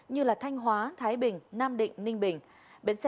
như thanh hóa thái bình nam định ninh bình